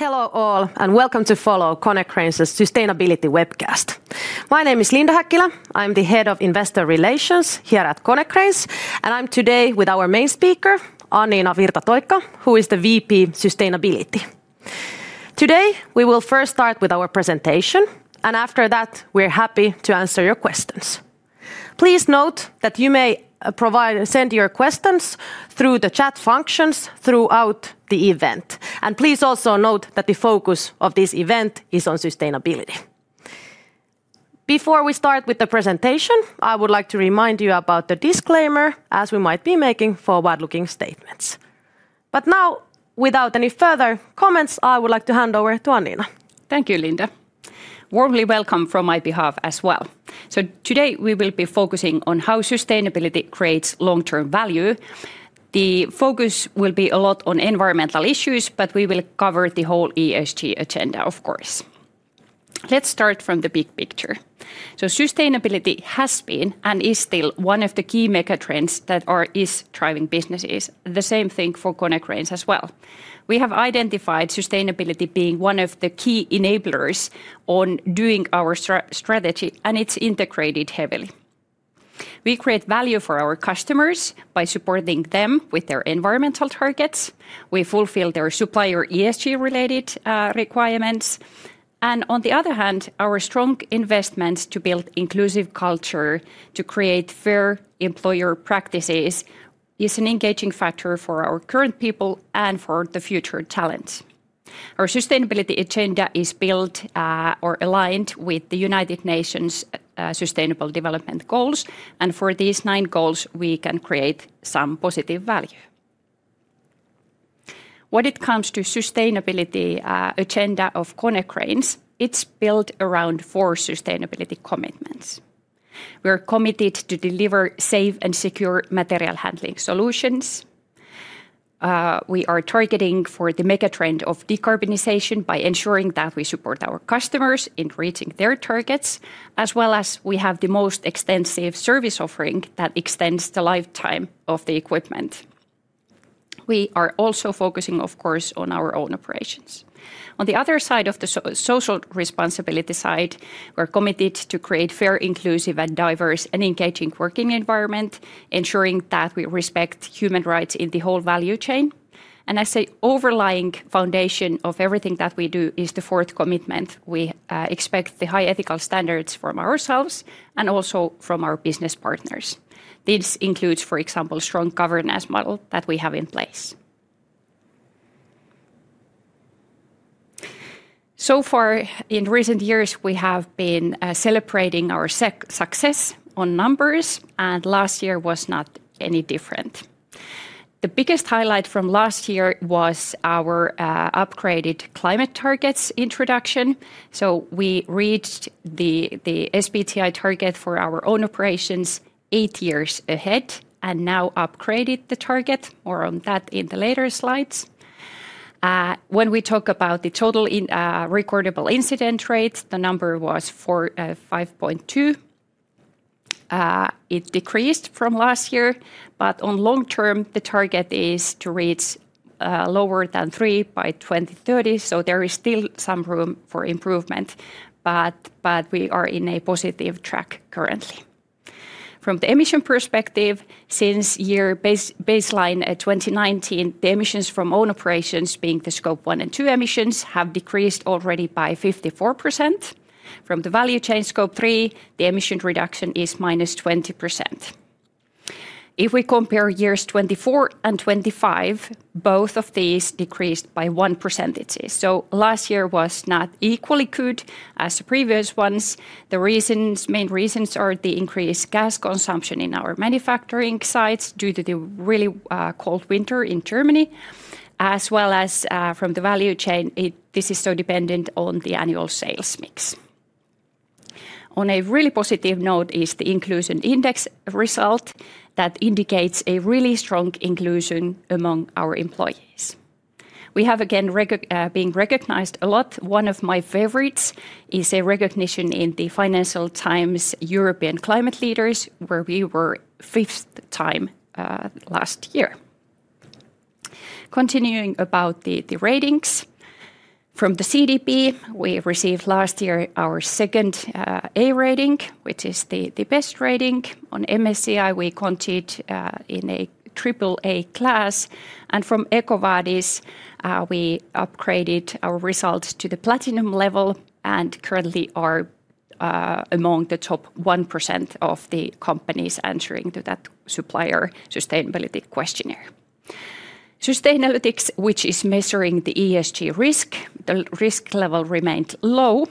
Hello all, welcome to Follow Konecranes' Sustainability Webcast. My name is Linda Häkkilä. I'm the Head of Investor Relations here at Konecranes, and I'm today with our main speaker, Anniina Virta-Toikka, who is the VP of Sustainability. Today, we will first start with our presentation, and after that, we're happy to answer your questions. Please note that you may provide and send your questions through the chat functions throughout the event. Please also note that the focus of this event is on sustainability. Before we start with the presentation, I would like to remind you about the disclaimer, as we might be making forward-looking statements. Now, without any further comments, I would like to hand over to Anniina. Thank you, Linda. Warmly welcome from my behalf as well. Today, we will be focusing on how sustainability creates long-term value. The focus will be a lot on environmental issues, but we will cover the whole ESG agenda, of course. Let's start from the big picture. Sustainability has been and is still one of the key mega trends that is driving businesses. The same thing for Konecranes as well. We have identified sustainability being one of the key enablers on doing our strategy, and it's integrated heavily. We create value for our customers by supporting them with their environmental targets. We fulfill their supplier ESG-related requirements, and on the other hand, our strong investments to build inclusive culture to create fair employer practices is an engaging factor for our current people and for the future talent. Our sustainability agenda is built, or aligned with the United Nations' Sustainable Development Goals, and for these nine goals, we can create some positive value. When it comes to sustainability agenda of Konecranes, it's built around four sustainability commitments. We are committed to deliver safe and secure material handling solutions. We are targeting for the mega trend of decarbonization by ensuring that we support our customers in reaching their targets, as well as we have the most extensive service offering that extends the lifetime of the equipment. We are also focusing, of course, on our own operations. On the other side of the social responsibility side, we're committed to create fair, inclusive, and diverse, and engaging working environment, ensuring that we respect human rights in the whole value chain. As an overlying foundation of everything that we do is the fourth commitment. We expect the high ethical standards from ourselves and also from our business partners. This includes, for example, strong governance model that we have in place. So far, in recent years, we have been celebrating our success on numbers, and last year was not any different. The biggest highlight from last year was our upgraded climate targets introduction, so we reached the SBTi target for our own operations eight years ahead and now upgraded the target. More on that in the later slides. When we talk about the Total Recordable Incident Rate, the number was 5.2. It decreased from last year, but on long term, the target is to reach lower than three by 2030, so there is still some room for improvement, but we are in a positive track currently. From the emissions perspective, since baseline year 2019, the emissions from own operations, being the Scope 1 and 2 emissions, have decreased already by 54%. From the value chain Scope 3, the emission reduction is -20%. If we compare 2024 and 2025, both of these decreased by 1%. Last year was not equally good as the previous ones. The main reasons are the increased gas consumption in our manufacturing sites due to the really cold winter in Germany, as well as from the value chain, this is so dependent on the annual sales mix. On a really positive note is the Inclusion Index result that indicates a really strong inclusion among our employees. We have again been recognized a lot. One of my favorites is a recognition in the Financial Times Europe's Climate Leaders, where we were fifth time last year. Continuing about the ratings, from the CDP, we received last year our second A rating, which is the best rating. On MSCI, we continued in a triple A class, and from EcoVadis, we upgraded our results to the platinum level and currently are among the top 1% of the companies answering to that supplier sustainability questionnaire. Sustainalytics, which is measuring the ESG risk, the risk level remained low,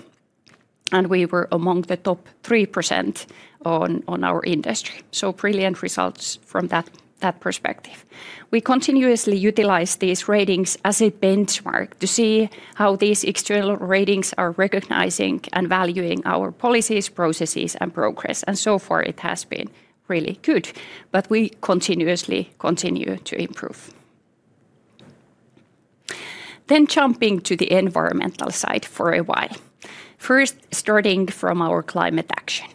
and we were among the top 3% on our industry, so brilliant results from that perspective. We continuously utilize these ratings as a benchmark to see how these external ratings are recognizing and valuing our policies, processes, and progress, and so far it has been really good. We continuously continue to improve. Jumping to the environmental side for a while. First, starting from our climate action.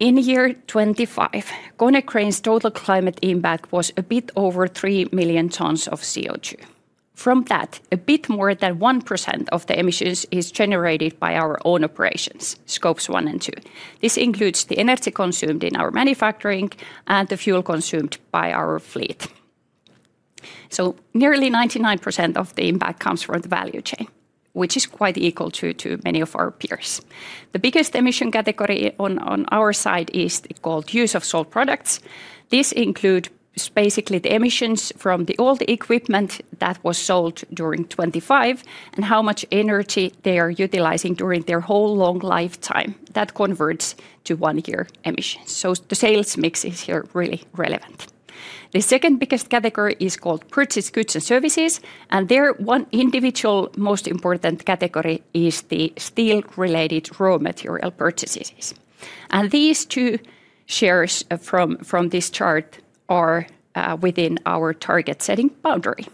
In 2025, Konecranes' total climate impact was a bit over 3 million tons of CO2. From that, a bit more than 1% of the emissions is generated by our own operations, Scope 1 and 2. This includes the energy consumed in our manufacturing and the fuel consumed by our fleet. Nearly 99% of the impact comes from the value chain, which is quite equal to many of our peers. The biggest emission category on our side is the so-called Use of Sold Products. This includes basically the emissions from the sold equipment that was sold during 2025 and how much energy they are utilizing during their whole long lifetime. That converts to one-year emissions. The sales mix is here really relevant. The second biggest category is called Purchased Goods and Services, and their one individual most important category is the steel-related raw material purchases. These two shares from this chart are within our target setting boundary.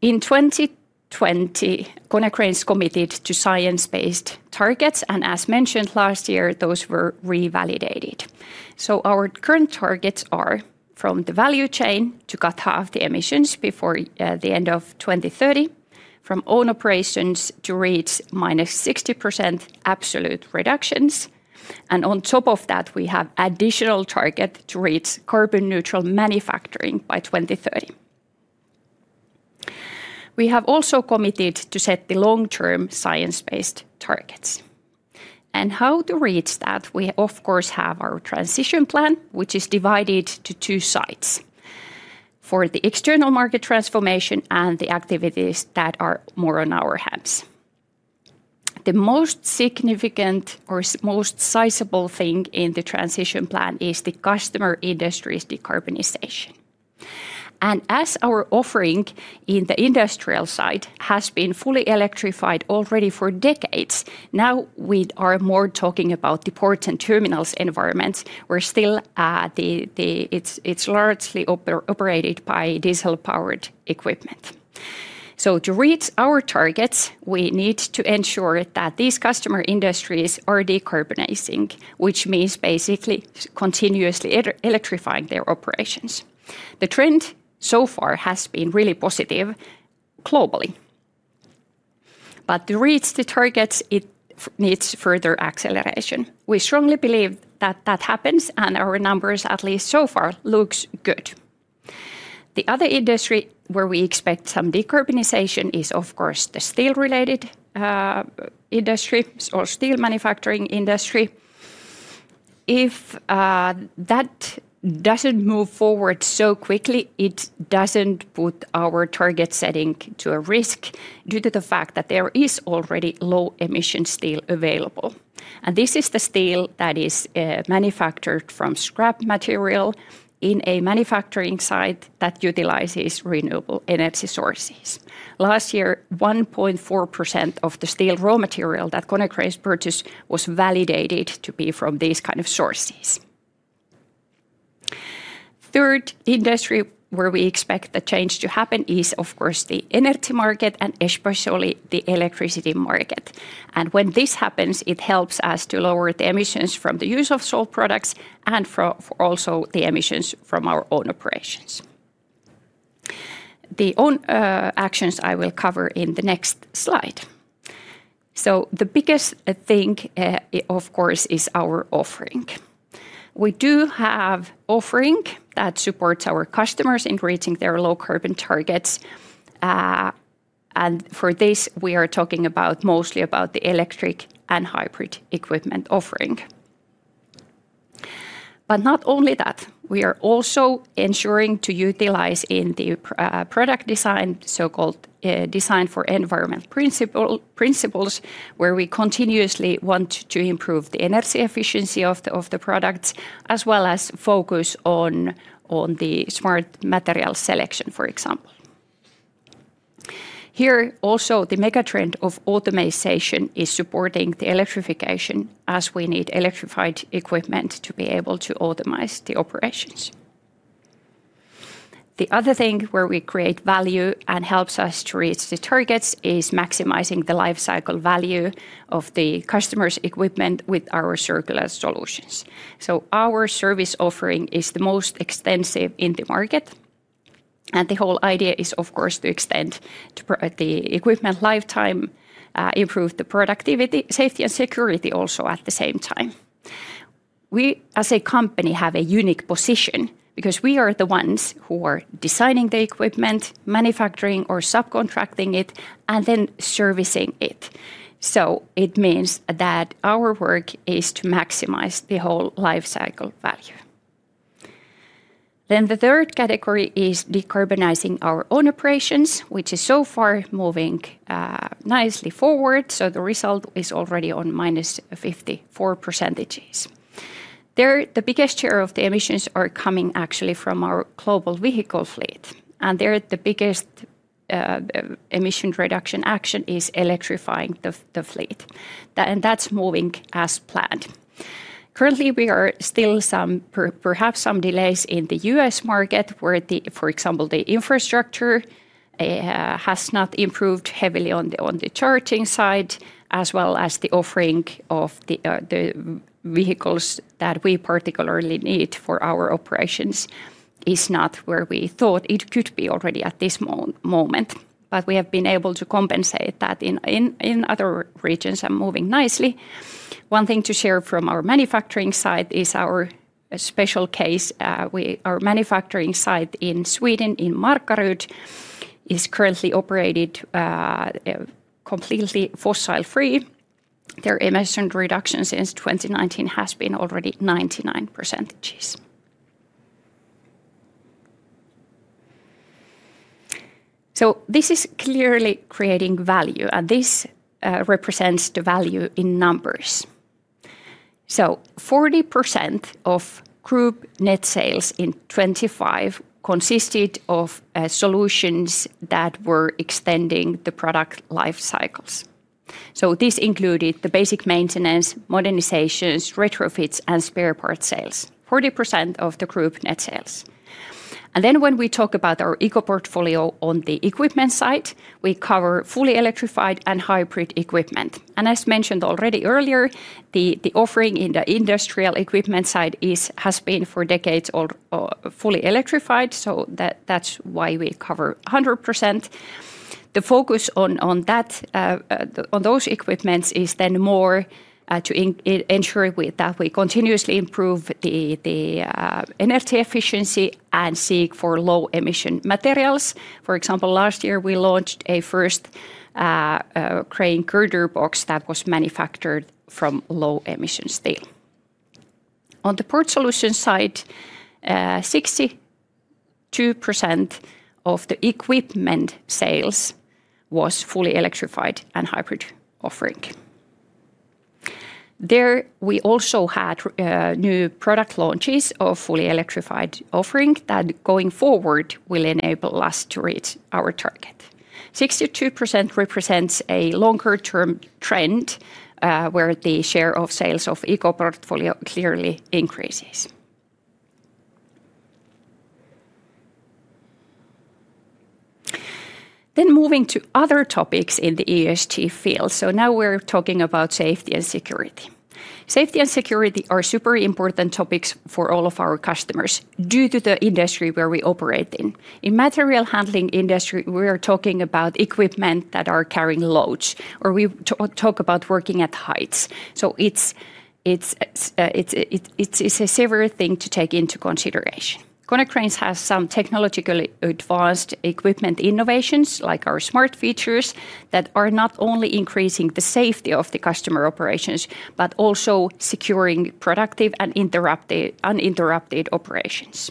In 2020, Konecranes committed to science-based targets, and as mentioned last year, those were revalidated. Our current targets are from the value chain to cut half the emissions before the end of 2030, from own operations to reach -60% absolute reductions, and on top of that, we have additional target to reach carbon neutral manufacturing by 2030. We have also committed to set the long-term science-based targets. How to reach that, we of course have our transition plan, which is divided to two sides, for the external market transformation and the activities that are more on our hands. The most significant or most sizable thing in the transition plan is the customer industries decarbonization. As our offering in the industrial side has been fully electrified already for decades, now we are more talking about the ports and terminals environments. We're still at the. It's largely operated by diesel-powered equipment. To reach our targets, we need to ensure that these customer industries are decarbonizing, which means basically continuously electrifying their operations. The trend so far has been really positive globally. To reach the targets, it needs further acceleration. We strongly believe that happens, and our numbers, at least so far, looks good. The other industry where we expect some decarbonization is, of course, the steel-related industry or steel manufacturing industry. If that doesn't move forward so quickly, it doesn't put our target setting to a risk due to the fact that there is already low emission steel available, and this is the steel that is manufactured from scrap material in a manufacturing site that utilizes renewable energy sources. Last year, 1.4% of the steel raw material that Konecranes purchased was validated to be from these kind of sources. Third industry where we expect the change to happen is, of course, the energy market and especially the electricity market. When this happens, it helps us to lower the emissions from the use of sold products and for also the emissions from our own operations. Our own actions I will cover in the next slide. The biggest thing of course is our offering. We do have offering that supports our customers in reaching their low carbon targets, and for this we are talking mostly about the electric and hybrid equipment offering. Not only that, we are also ensuring to utilize in the product design, so-called Design for Environment principles, where we continuously want to improve the energy efficiency of the products, as well as focus on the smart material selection, for example. Here also the megatrend of automation is supporting the electrification, as we need electrified equipment to be able to automate the operations. The other thing where we create value and helps us to reach the targets is maximizing the life cycle value of the customer's equipment with our circular solutions. Our service offering is the most extensive in the market, and the whole idea is, of course, to extend the equipment lifetime, improve the productivity, safety, and security also at the same time. We as a company have a unique position because we are the ones who are designing the equipment, manufacturing or subcontracting it, and then servicing it. It means that our work is to maximize the whole life cycle value. The third category is decarbonizing our own operations, which is so far moving nicely forward, so the result is already on minus 54%. There, the biggest share of the emissions are coming actually from our global vehicle fleet, and there, the biggest emission reduction action is electrifying the fleet. That's moving as planned. Currently, we are still some perhaps some delays in the U.S. market, where, for example, the infrastructure has not improved heavily on the charging side, as well as the offering of the vehicles that we particularly need for our operations is not where we thought it could be already at this moment. We have been able to compensate that in other regions and moving nicely. One thing to share from our manufacturing side is our special case. Our manufacturing site in Sweden, in Markaryd, is currently operated completely fossil-free. Their emission reduction since 2019 has been already 99%. This is clearly creating value, and this represents the value in numbers. Forty percent of group net sales in 2025 consisted of solutions that were extending the product life cycles. This included the basic maintenance, modernizations, retrofits, and spare parts sales. Forty percent of the group net sales. Then when we talk about our Ecolifting on the equipment side, we cover fully electrified and hybrid equipment. As mentioned already earlier, the offering in the industrial equipment side has been for decades fully electrified, so that's why we cover 100%. The focus on that on those equipments is then more to ensure that we continuously improve the energy efficiency and seek for low-emission materials. For example, last year, we launched a first crane girder box that was manufactured from low-emission steel. On the Port Solutions side, 62% of the equipment sales was fully electrified and hybrid offering. There, we also had new product launches of fully electrified offering that going forward will enable us to reach our target. 62% represents a longer-term trend, where the share of sales of Ecolifting clearly increases. Moving to other topics in the ESG field. Now we're talking about safety and security. Safety and security are super important topics for all of our customers due to the industry where we operate in. In material handling industry, we are talking about equipment that are carrying loads, or we talk about working at heights. It's a severe thing to take into consideration. Konecranes has some technologically advanced equipment innovations, like our Smart Features, that are not only increasing the safety of the customer operations, but also securing productive and uninterrupted operations.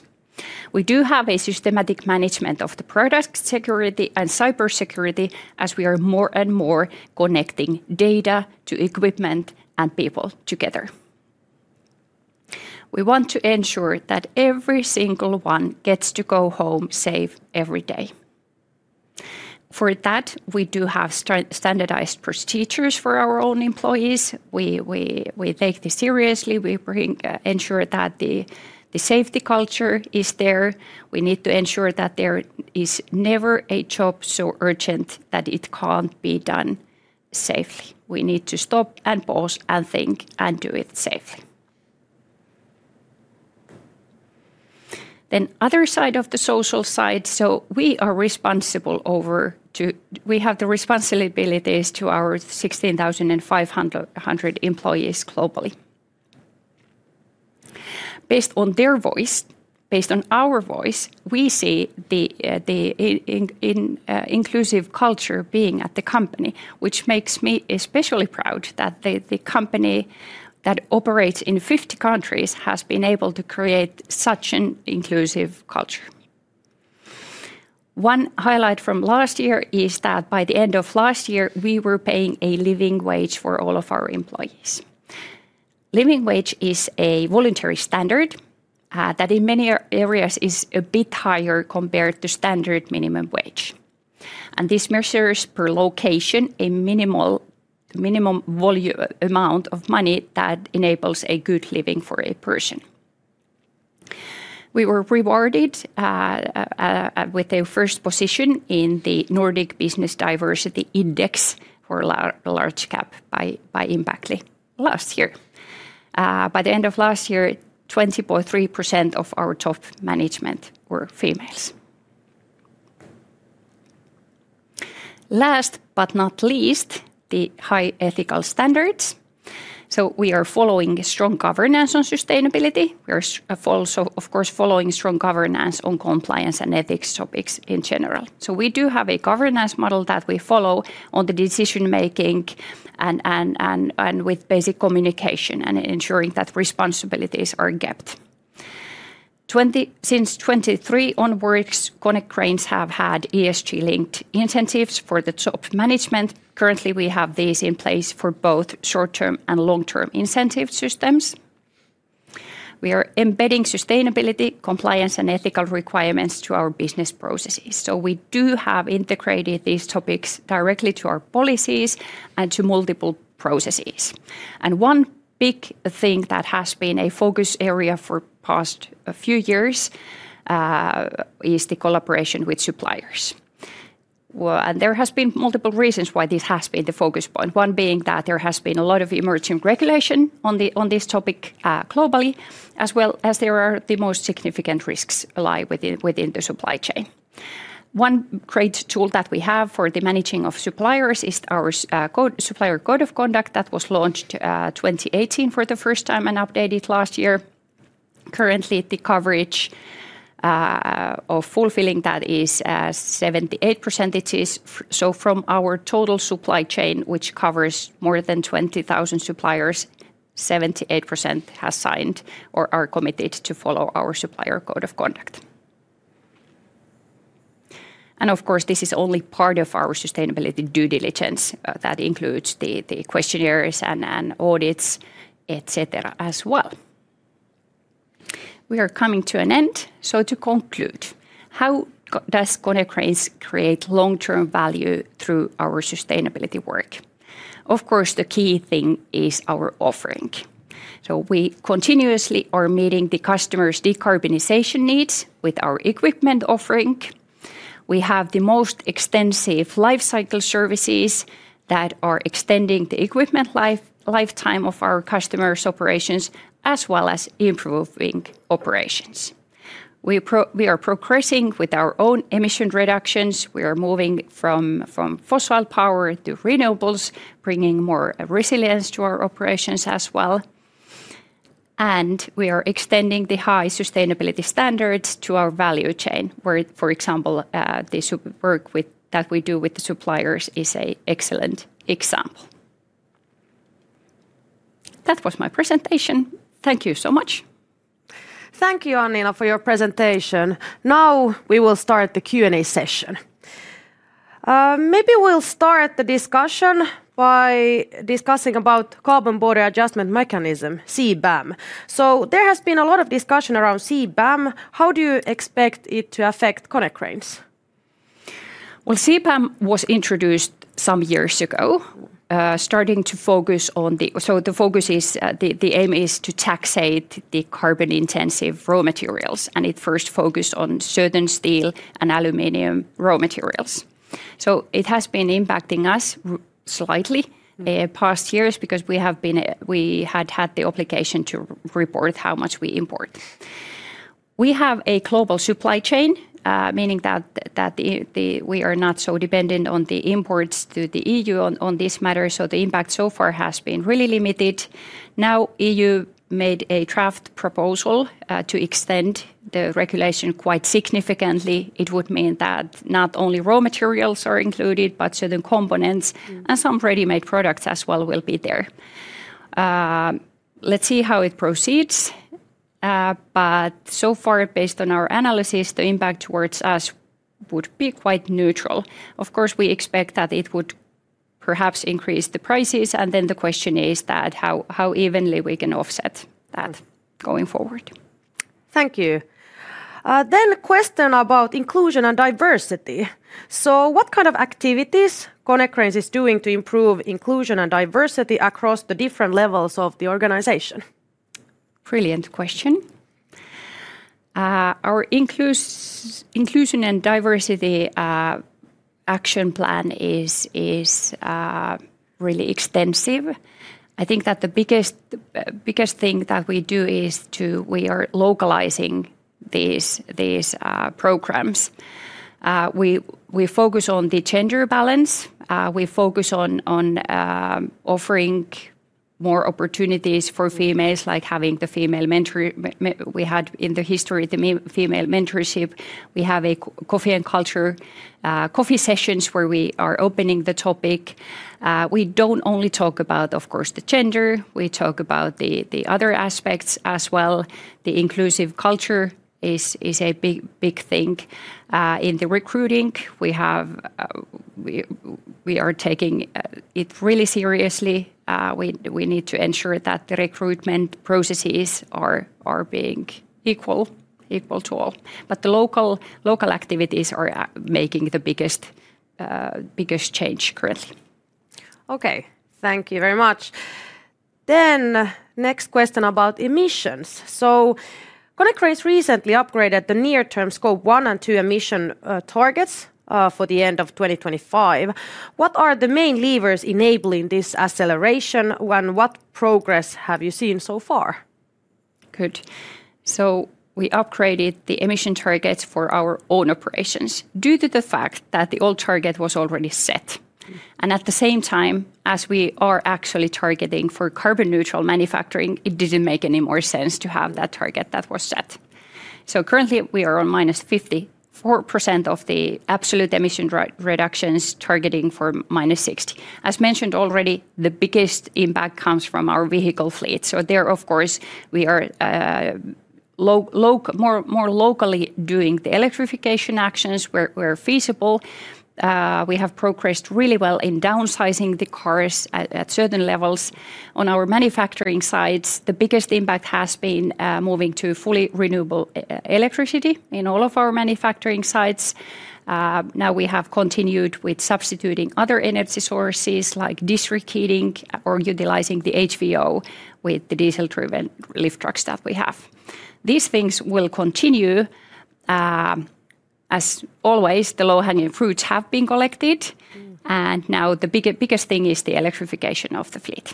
We do have a systematic management of the product security and cybersecurity as we are more and more connecting data to equipment and people together. We want to ensure that every single one gets to go home safe every day. For that, we do have standardized procedures for our own employees. We take this seriously. We ensure that the safety culture is there. We need to ensure that there is never a job so urgent that it can't be done safely. We need to stop and pause and think and do it safely. Other side of the social side. We have the responsibilities to our 16,500 employees globally. Based on their voice, based on our voice, we see the inclusive culture being at the company, which makes me especially proud that the company that operates in 50 countries has been able to create such an inclusive culture. One highlight from last year is that by the end of last year, we were paying a living wage for all of our employees. Living wage is a voluntary standard that in many areas is a bit higher compared to standard minimum wage. This measures per location a minimum amount of money that enables a good living for a person. We were rewarded with a first position in the Nordic Business Diversity Index for large cap by Impactly last year. By the end of last year, 20.3% of our top management were females. Last but not least, the high ethical standards. We are following a strong governance on sustainability. We are also of course following strong governance on compliance and ethics topics in general. We do have a governance model that we follow on the decision-making and with basic communication and ensuring that responsibilities are kept. Since 2023 onwards, Konecranes have had ESG-linked incentives for the top management. Currently, we have these in place for both short-term and long-term incentive systems. We are embedding sustainability, compliance, and ethical requirements to our business processes, so we do have integrated these topics directly to our policies and to multiple processes. One big thing that has been a focus area for past few years is the collaboration with suppliers. There has been multiple reasons why this has been the focus point, one being that there has been a lot of emerging regulation on this topic globally, as well as there are the most significant risks lie within the supply chain. One great tool that we have for the managing of suppliers is our Supplier Code of Conduct that was launched 2018 for the first time and updated last year. Currently, the coverage of fulfilling that is 78%. From our total supply chain, which covers more than 20,000 suppliers, 78% has signed or are committed to follow our Supplier Code of Conduct. Of course, this is only part of our sustainability due diligence that includes the questionnaires and audits, et cetera, as well. We are coming to an end. To conclude, how does Konecranes create long-term value through our sustainability work? Of course, the key thing is our offering. We continuously are meeting the customers' decarbonization needs with our equipment offering. We have the most extensive life cycle services that are extending the equipment lifetime of our customers' operations as well as improving operations. We are progressing with our own emission reductions. We are moving from fossil power to renewables, bringing more resilience to our operations as well, and we are extending the high sustainability standards to our value chain where, for example, the work that we do with the suppliers is an excellent example. That was my presentation. Thank you so much. Thank you, Anniina, for your presentation. Now we will start the Q&A session. Maybe we'll start the discussion by discussing about Carbon Border Adjustment Mechanism, CBAM. There has been a lot of discussion around CBAM. How do you expect it to affect Konecranes? Well, CBAM was introduced some years ago, starting to focus on the focus is, the aim is to tax the carbon-intensive raw materials, and it first focused on certain steel and aluminum raw materials. It has been impacting us slightly- Mm In the past years because we had the obligation to report how much we import. We have a global supply chain, meaning that we are not so dependent on the imports to the EU on this matter, so the impact so far has been really limited. Now, the EU made a draft proposal to extend the regulation quite significantly. It would mean that not only raw materials are included, but certain components. Mm... some ready-made products as well will be there. Let's see how it proceeds, but so far, based on our analysis, the impact toward us would be quite neutral. Of course, we expect that it would perhaps increase the prices, and then the question is that how evenly we can offset that. Mm Going forward. Thank you. A question about inclusion and diversity. What kind of activities Konecranes is doing to improve inclusion and diversity across the different levels of the organization? Brilliant question. Our inclusion and diversity action plan is really extensive. I think that the biggest thing that we do is to, we are localizing these programs. We focus on the gender balance. We focus on offering more opportunities for females, like having the female mentorship we had in our history. We have a coffee and culture coffee sessions where we are opening the topic. We don't only talk about, of course, the gender. We talk about the other aspects as well. The inclusive culture is a big thing. In the recruiting we are taking it really seriously. We need to ensure that the recruitment processes are being equal to all. The local activities are making the biggest change currently. Okay. Thank you very much. Next question about emissions. Konecranes recently upgraded the near-term Scope 1 and 2 emissions targets for the end of 2025. What are the main levers enabling this acceleration, and what progress have you seen so far? Good. We upgraded the emission targets for our own operations due to the fact that the old target was already set. At the same time, as we are actually targeting for carbon-neutral manufacturing, it didn't make any more sense to have that target that was set. Currently, we are on -54% of the absolute emission reductions targeting for -60%. As mentioned already, the biggest impact comes from our vehicle fleet, so there, of course, we are more locally doing the electrification actions where feasible. We have progressed really well in downsizing the cars at certain levels. On our manufacturing sites, the biggest impact has been moving to fully renewable electricity in all of our manufacturing sites. Now we have continued with substituting other energy sources like district heating or utilizing the HVO with the diesel-driven lift trucks that we have. These things will continue. As always, the low-hanging fruits have been collected. Mm. Now the biggest thing is the electrification of the fleet.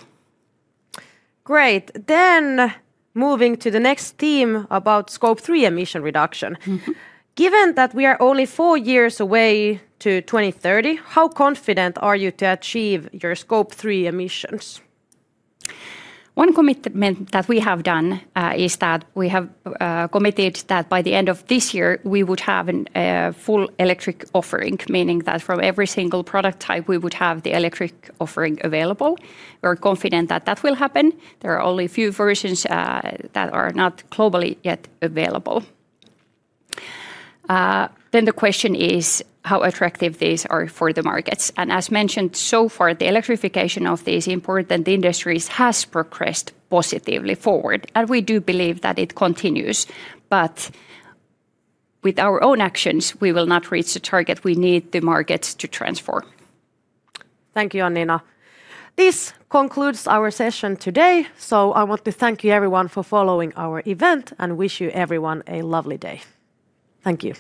Great. Moving to the next theme about Scope 3 emission reduction. Mm-hmm. Given that we are only four years away from 2030, how confident are you to achieve your Scope 3 emissions? One commitment that we have done is that we have committed that by the end of this year we would have a full electric offering, meaning that from every single product type, we would have the electric offering available. We're confident that that will happen. There are only a few versions that are not globally yet available. Then the question is how attractive these are for the markets. As mentioned so far, the electrification of these important industries has progressed positively forward, and we do believe that it continues. With our own actions, we will not reach the target. We need the markets to transform. Thank you, Anniina. This concludes our session today, so I want to thank you, everyone, for following our event and wish you, everyone, a lovely day. Thank you.